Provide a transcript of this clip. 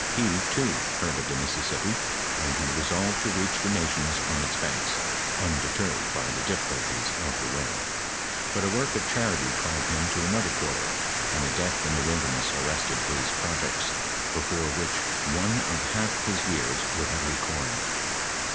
He, too, heard of the Mississippi, and had resolved to reach the nations on its banks, undeter red by the difficulties of the way ; but a work of charity called him to another quarter, and a death in the wilderness an'ested his projects, before which one of half his years would have recoiled